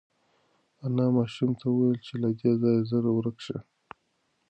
انا ماشوم ته وویل چې له دې ځایه زر ورک شه.